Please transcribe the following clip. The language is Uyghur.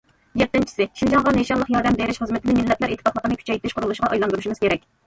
يەتتىنچىسى، شىنجاڭغا نىشانلىق ياردەم بېرىش خىزمىتىنى مىللەتلەر ئىتتىپاقلىقىنى كۈچەيتىش قۇرۇلۇشىغا ئايلاندۇرۇشىمىز كېرەك.